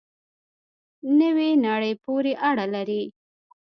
نوې نړۍ پورې اړه لري.